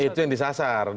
itu yang disasar